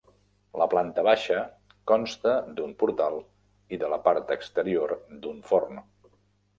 La planta baixa consta d'un portal i de la part exterior d'un forn.